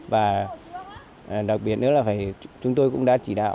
và đặc biệt nữa là chúng tôi cũng đã chỉ đạo